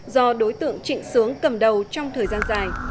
do đối tượng trịnh sướng cầm đầu trong thời gian dài